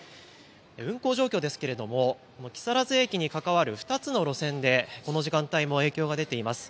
運行状況ですけれども木更津駅に関わる２つの路線でこの時間帯も影響が出ています。